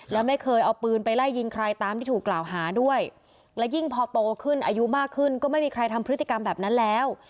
แล้วไม่เคยเอาปืนไปไล่ยิงใครตามที่ถูกกล่าวหาด้วยและยิ่งพอโตขึ้นอายุมากขึ้นก็ไม่มีใครทำพฤติกรรมแบบนั้นแล้ว